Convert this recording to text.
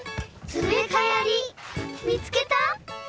つべかやりみつけた？